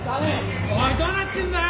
おいどうなってんだよ！